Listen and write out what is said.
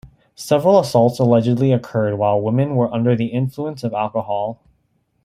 Several assaults allegedly occurred while women were under the influence of alcohol.